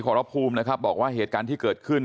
ขอรภูมินะครับบอกว่าเหตุการณ์ที่เกิดขึ้น